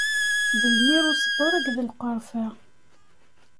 D lmirruṣber akked lqerfa.